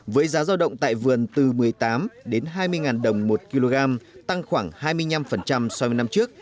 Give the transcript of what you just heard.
với giá giao động tại vườn từ một mươi tám đến hai mươi đồng một kg tăng khoảng hai mươi năm so với năm trước